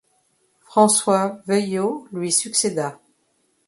François Veuillot lui succéda.